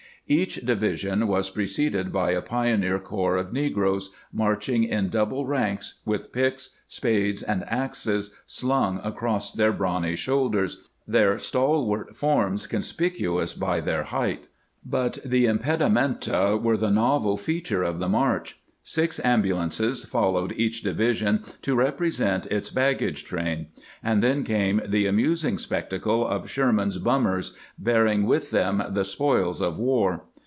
Each division was preceded by a pioneer corps of negroes, marching in double ranks, with picks, spades, THE GKAND KEVIEW AT WASHINGTON 511 and axes slung across their brawny shoulders, their stalwart forms conspicuous by their height. But the impedimenta were the novel feature of the march. Six ambulances followed each division to represent its bag gage train; and then came the amusing spectacle of " Sherman's bummers," bearing with them the " spoils of war."